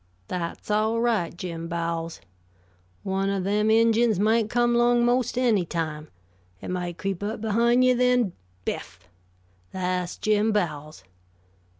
"That's all right, Jim Bowles. One of them ingines might come 'long most any time. It might creep up behine you, then, biff! Thah's Jim Bowles!